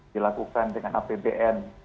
dilakukan dengan apbn